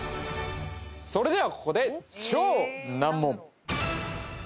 それではここで超難問